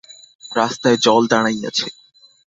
রাস্তায় জল দাঁড়াইয়াছে।